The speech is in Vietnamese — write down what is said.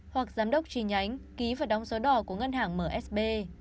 hoặc giám đốc tri nhánh ký và đóng số đỏ của ngân hàng msb